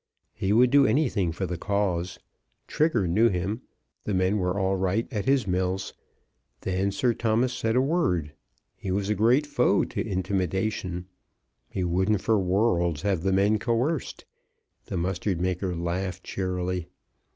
He would do anything for the cause. Trigger knew him. The men were all right at his mills. Then Sir Thomas said a word. He was a great foe to intimidation; he wouldn't for worlds have the men coerced. The mustard maker laughed cheerily.